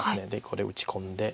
これ打ち込んで。